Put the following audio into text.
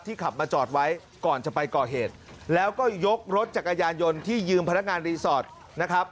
ขับมาจอดไว้ก่อนจะไปก่อเหตุแล้วก็ยกรถจักรยานยนต์ที่ยืมพนักงานรีสอร์ทนะครับ